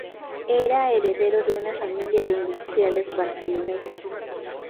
Era heredero de una família de industriales barceloneses.